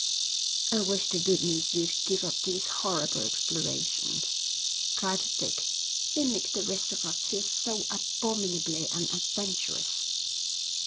'I wish to goodness you'd give up these horrible explorations,' cried Dick. 'They make the rest of us feel so abominably unadventurous.'